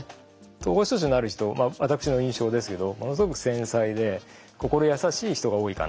統合失調症になる人まあ私の印象ですけどものすごく繊細で心優しい人が多いかなって思うんです。